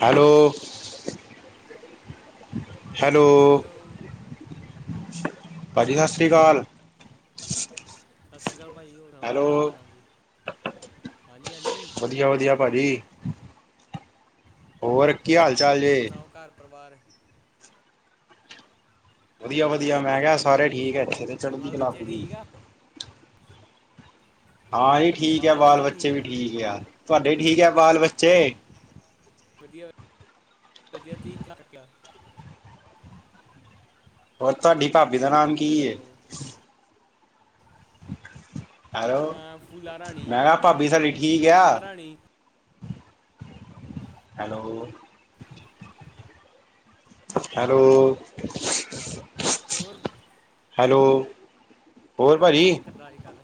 Hello hello ਭਾਜੀ ਸਾਸਰੀ ਕਾਲ। ਸਾਸ਼ਰੀ ਕਾਲ ਭਾਜੀ ਹੋਰ ਸੁਨਾਓ ਕੀ ਹਾਲ-ਚਾਲ ਜੇ, ਹਾਂਜੀ-ਹਾਂਜੀ। ਵਦੀਆ-ਵਦੀਆ ਭਾਜੀ। ਹੋਰ ਕੀ ਹਾਲ-ਚਾਲ ਹੋਰ ਸਣਾਓ ਘਰ-ਪਰਿਵਾਰ ਵਦੀਆ-ਵਦੀਆ ਮੈਂ ਕਿਆ ਸਾਰੇ ਠੀਕ ਐ ਇੱਥੇ ਤੇ ਹੋਰ ਚੜਦੀ ਬਾਲ ਕਲਾ ਬੱਚੇ ਪੂਰੀ ਠੀਕ ਆ ਹਾਂਜੀ ਠੀਕ ਇਆ ਬਾਲ ਬੱਚੇ ਬਾਲ-ਬੱਚੇ ਵੀ ਆ ਠੀਕ ਇਆ, ਤੁਹਾਡੇ ਠੀਕ ਇਆ ਬਾਲ-ਬੱਚੇ ਵਦੀਆ-ਵਦੀਆ ਤੁ [unintelligible] ਹੋਰ ਤੁਆਡੀ ਭਾਬੀ ਦਾ ਨਾਮ ਕੀ ਹੈਲੋ ਏ ਹੈਲੋ, ਹਾਂ ਫੂਲਾ ਰਾਣੀ ਮੈਂ ਕਿਆ ਭਾਬੀ ਸਾਡੀ ਠੀਕ ਫੂਲਾ ਆ ਰਾਣੀ ਹੈਲੋ ਹੈਲੋ ਹੋਰ ਹੈਲੋ ਹੋਰ [unintelligible] ਭਾਜੀ ਕੀ ਕਰਦਾ ਅਜ ਕੱਲ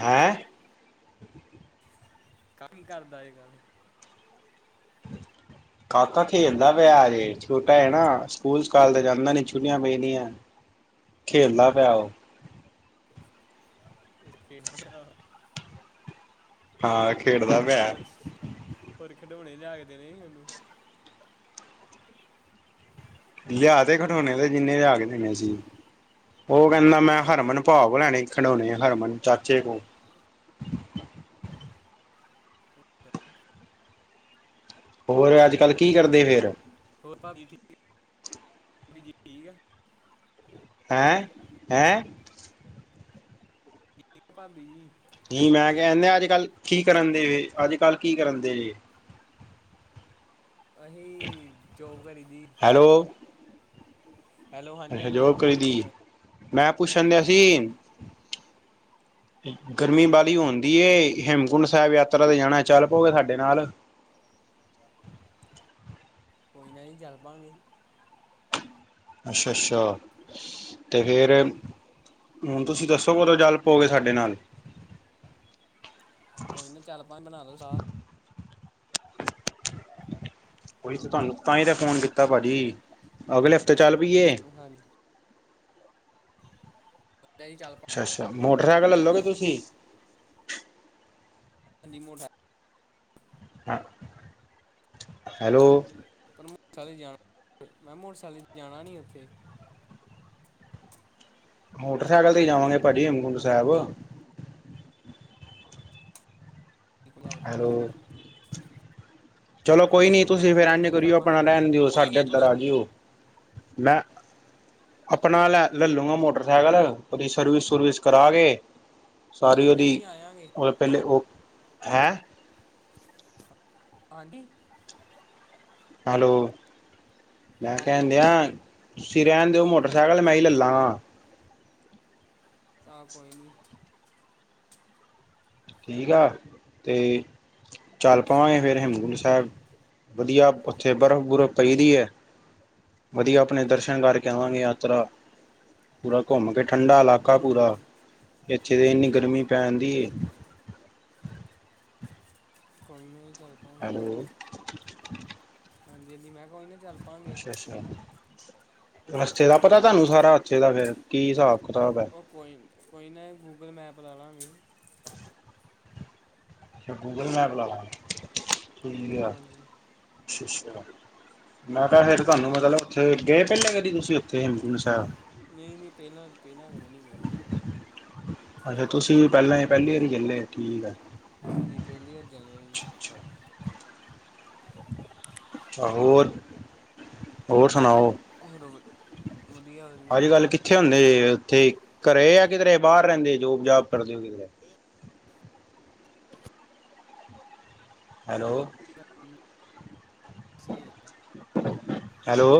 ਹੈਂ [unintelligible] ਕਰਦਾ ਇਹ ਗੱਲ ਕਾਕਾ ਖੇਲਦਾ ਪਿਆ ਅਜੇ ਛੋਟਾ ਏ ਨਾ ਹੈਲੋ ਪੁਲਿਸ ਕਾਲ ਦੇ ਜਾਨਦਾ ਨਹੀਂ ਛੁੱਟੀਆਂ ਪਈ ਦੀਆਂ ਖੇਲਦਾ ਪੇਆ ਉਹ ਖੇਲਦਾ ਪਿਆ ਔ ਹਾਂ ਖੇਡਦਾ ਪਿਆ ਹੋਰ ਖਿਡੋਣੇ ਲਿਆ ਕੇ ਦੇਨੇ ਸੀ ਉਹਨੂੰ ਲਿਆ ਤੇ ਖਢੋਣੇ ਦੇ ਜਿੰਨੇ ਲਿਆ ਕੇ ਦਿੰਨੇ ਸੀ ਉਹ ਕਹਿੰਦਾ ਮੈਂ ਚਲਾ ਹਰਮਨ ਦੇ ਭਾ ਕੋਲ ਲੈਣੇ ਖਡੋਣੇ ਆ ਹਰਮਨ ਚਾਚੇ ਕੋ ਹੋਰ ਅੱਜ ਕੱਲ ਕੀ ਕਰਦੇ ਫੇਰ [unintelligible] ਹੈਂ ਹੈਂ ਠੀਕ ਭਾਬੀ ਜੀ ਕੀ ਮੈਂ ਕਹਿਦੇ ਅੱਜ ਕੱਲ ਕੀ ਕਰਨ ਦਯੇ ਜੇ ਅੱਜ ਕੱਲ ਕੀ ਕਰਨ ਦਯੇ ਅਹੀ ਜੋਬ ਕਰੀ ਦੀ ਹੈਲੋ ਹੈਲੋ ਹਾਂਜੀ ਅੱਛਾ ਹਾਂਜੀ ਜੋਬ ਕਰੀ ਦੀ ਮੈਂ ਮੈਂ ਕਿਹਾ ਪੁੱਛਣ ਡਿਆ ਸੀ ਗਰਮੀ ਬਾਹਲੀ ਹੋਨ ਦੀਏ ਹੇਮਕੁੰਡ ਸਾਹਿਬ ਯਾਤਰਾ ਤੇ ਜਾਨਾ ਚੱਲ ਪਉਗੇ ਸਾਡੇ ਨਾਲ ਕੋਈ ਨਾ ਜੀ ਚੱਲ ਪਾੰਗੇ ਅੱਛਾ ਅੱਛਾ ਤੇ ਫਿਰ ਹੁਨ ਤੁਸੀਂ ਦੱਸੋ ਕਦੋਂ ਚਲ ਪੋ ਗਏ ਸਾਡੇ ਨਾਲ ਕੋਈ ਨਾ ਚੱਲ ਪਾ ਗੇੰ ਬਨਾ ਲੋ ਸਾਥ ਓਹੀ ਤੇ ਤੁਹਾਨੂੰ ਤਾਂ ਹੀ ਤਾਂ ਫੋਨ ਕੀਤਾ ਭਾਜੀ ਅਗਲੇ ਹਫਤੇ ਚੱਲ ਪਈਏ ਹਾਂਜੀ ਜੀ ਚੱਲ ਪਾ ਅੱਛਾ-ਅੱਛਾ ਮੋਟਰਸਾਈਕਲ ਲੈ ਲਓਗੇ ਤੁਸੀਂ ਨਮੋਟ [unintelligible] ਹ ਹੈਲੋ [unintelligible] ਉੱਥੇ ਮੋਟਰਸਾਈਕਲ ਤੇ ਈ ਜਾਵਾਂਗੇ ਭਾਜੀ ਹੇਮਕੁੰਟ ਸਾਹਿਬ ਚੱਲ ਹੈਲੋ, ਪਾਂਗੇ ਜੀ ਚਲੋ ਕੋਈ ਨੀ ਤੁਸੀਂ ਫਿਰ ਹਾਂਜੀ ਏਜੰ ਮੈਂ ਕਿਹਾ ਚੱਲ ਕਰੀਓ ਪਾਂਗੇ ਆਪਣਾ ਰਹਿਨ ਦਿਓ ਕੋਈ ਸਾਡੇ ਨਹੀਂ ਏਧਰ ਤੁਸੀਂ ਆ ਜਿਓ ਮੈਂ ਅਪਣਾ ਲੈ ਲੱਲੂਆ ਮੋਟਰਸਾਈਕਲ ਓਦੀ ਸਰਵੀਸ-ਸੁਰਵੀਸ ਕਰਾ ਕੇ ਸਾਰੀ ਨਾ ਓਦੀ, ਜੀ ਆਵਾਂਗੇ ਕੁਲ ਪੈਲੇ ਓ, ਹੈਂ ਆਂਜੀ। ਹੈਲੋ, ਮੈਂ ਹਾਂਜੀ ਕੋਣ ਹਾਂਜੀ ਦੇਆ ਬੋਲੋ ਤੁਸੀਂ ਰੈਣ ਦੇਓ ਮੋਟਰਸਾਈਕਲ ਮੈਂ ਈ ਲੈਲਾਗਾ। ਤਾਂ ਕੋਈ ਨੀ। ਠੀਕ ਆ ਤੇ, ਚੱਲ ਪਵਾਂਗੇ ਸੁਣਾਓ ਫੇਰ ਹੇਮਕੁਟ ਸਾਹੀਬ। ਵਦੀਆ ਓਥੇ ਬਰਫ ਬੁਰਫ ਪਈ ਦੀ ਐ। ਵਦੀਆ ਆਪਣੇ ਦਰਸ਼ਨ ਕਰਕੇ ਆਵਾਂਗੇ ਯਾਤਰਾ, ਪੂਰਾ ਘੁੰਮ ਕੇ ਠੰਡਾ ਈ ਲਾਕਾ ਪੂਰਾ, ਹੂੰ ਏਥੇ ਤੇ ਏਨੀ ਗਰਮੀ ਪੈਨ ਦੀ ਏ। ਕੋਈ ਨੀ ਚਾ ਹੈਲੋ। ਹਾਂਜੀ-ਹਾਂਜੀ ਮੈਂ ਕੇਆ ਕੋਨੀ ਚੱਲ ਪਾਂਗੇ ਰਸਤੇ ਦਾ ਪਤਾ ਧਾਨੂੰ ਸਾਰਾ ਓਥੇ ਦਾ ਕੀ ਹੀਸਾਬ ਕੀਤਾਬ ਆ। ਉਹ ਕੋਈ ਕੋਈ ਨਾ ਗੂਗਲ ਮੈਪ ਲਾ ਲਾਗੇ। ਅੱਛਾ ਗੂਗਲ ਮੈਪ ਲਾਲਾਂਗੇ ਠੀਕ ਆ ਹਾਂਜੀ ਅਛਾ, ਛਾ। ਮੈਂ ਕੇਆ ਫੇਰ ਧਾਨੂੰ ਮਤਲਬ ਓਥੇ ਗਏ ਪੈਲੇ ਕਾਦੀ ਤੁਸੀਂ ਓਥੇ ਹੇਮਕੁੰਟ ਸਾਹਿਬ? ਨਈ-ਨਈ ਪੈਲਾਂ, ਪੈਲਾਂ ਕਦੀ ਨੀ ਗਏ। ਅੱਛਾ ਤੁਸੀਂ ਪੈਲਾਂ ਪੈਲੀ ਵਾਰੀ ਚਲੇ, ਠੀਕ ਆ। ਜ ਪੇਲੀ ਆਰ ਚੱਲੇ ਆ ਜੀ। ਅੱਛਾ ਹੋਰ, ਹੋਰ ਸੁਣਾਓ? ਹੋਰ ਵਧੀਆ ਵਧੀਆ ਅੱਜ-ਕੱਲ ਕੀਥੇ ਹੁੰਦੇ ਜੇ ਓਥੇ ਘਰੇ ਆ ਕੀਦਰੇ ਬਾਰ ਰੈਦੇ ਜੋਬ-ਜਾਬ ਕਰਦੇ ਓ ਕੀਦਰੇ? ਹੈਲੋ। ਜੀ ਹੈਲੋ।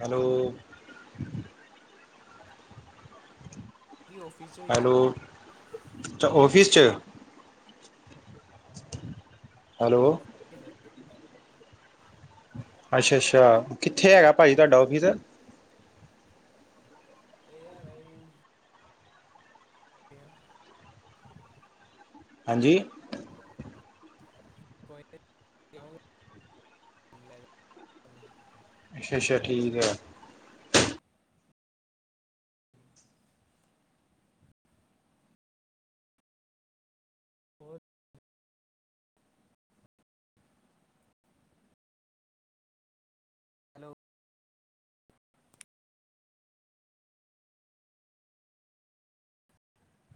ਹੈਲੋ। ਕੀ ਔਫੀਸ ਚ ਹੈਲੋ, ਅੱਛਾ ਔਫੀਸ ਚ, ਹੈਲੋ [unintelligible] ਅੱਛਾ-ਅੱਛਾ ਕੀਥੇ ਹੈਗਾ ਭਾਜੀ ਤਾਡਾ ਔਫੀਸ? ਕੀਥੇ ਹੈਗਾ ਪਾਜੀ ਧਾਡਾ ਔਫੀਸ? ਏ ਹੈਗਾ ਏ [unintelligible] ਹਾਂਜੀ? [unintelligible] ਲੈ ਜਾਣਾ ਅੱਛਾ, ਛਾ ਠੀਕ ਐ। [inaudible] ਹੋਰ [inaudible] ਹੈਲੋ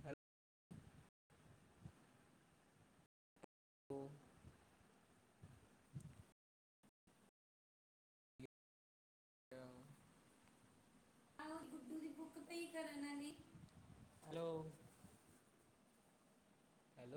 ਹੈਲੋ [unintelligible] [inaudible] ਆ ਗੁਡੂ ਦੀ ਬੁੱਕ ਪਈ ਖਰਨ ਵਾਲੀ, ਹੈਲੋ। ਹੈਲੋ